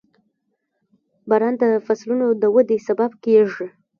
• باران د فصلونو د ودې سبب کېږي.